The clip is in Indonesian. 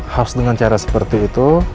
harus dengan cara seperti itu